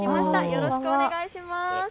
よろしくお願いします。